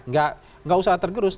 enggak enggak usah tergerus